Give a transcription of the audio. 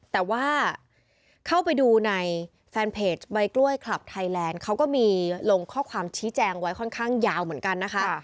แต่ว่าเข้าไปดูในแฟนเพจใบกล้วยคลับไทยแลนด์เขาก็มีลงข้อความชี้แจงไว้ค่อนข้างยาวเหมือนกันนะคะ